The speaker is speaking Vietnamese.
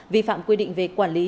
vi phạm quy định về quản lý